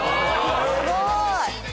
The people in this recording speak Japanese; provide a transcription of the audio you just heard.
すごーい。